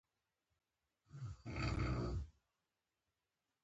که ګاونډی بې خبره وي، ته یې خبر کړه